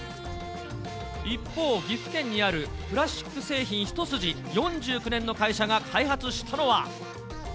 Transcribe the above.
一方、岐阜県にあるプラスチック製品一筋４９年の会社が開発したのは。